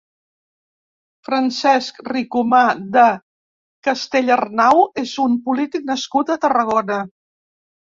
Francesc Ricomà de Castellarnau és un polític nascut a Tarragona.